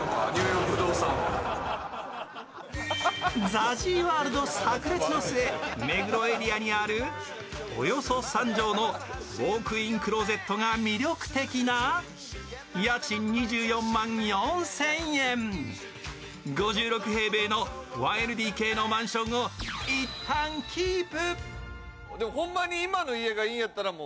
ＺＡＺＹワールドさく裂の末、目黒エリアにあるおよそ３畳のウォークインクローゼットが魅力的な家賃２４万４０００円、５６平米の１ＬＤＫのマンションをいったんキープ。